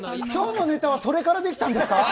今日のネタはそれからできたんですか？